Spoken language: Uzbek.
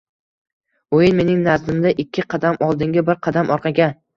Oʻyin mening nazdimda ikki qadam oldinga bir qadam orqaga